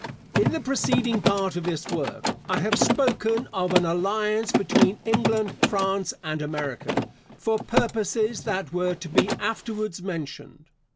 In the preceding part of this work, I have spoken of an alliance between England, France, and America, for purposes that were to be afterwards mentioned.